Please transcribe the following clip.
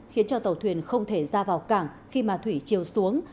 khiến cho tàu thuyền không thể ra vào cảng khi mà thủy chiều xuống